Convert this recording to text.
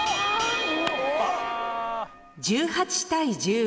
１８対１５。